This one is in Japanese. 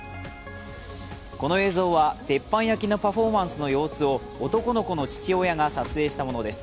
この映像は鉄板焼きのパフォーマンスの様子を男の子の父親が撮影したものです。